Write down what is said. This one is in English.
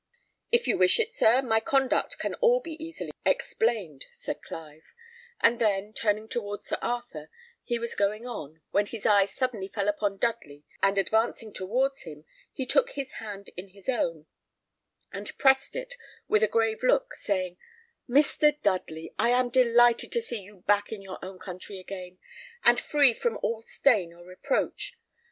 "If you wish it, sir, my conduct can all be easily explained," said Clive; and then, turning towards Sir Arthur, he was going on, when his eyes suddenly fell upon Dudley, and advancing towards him, he took his hand in his own, and pressed it, with a grave look, saying, "Mr. Dudley, I am delighted to see you back in your own country again, and free from all stain or reproach.